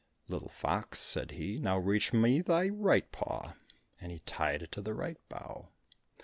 "Little fox," said he, "now reach me thy right paw" and he tied it to the right bough.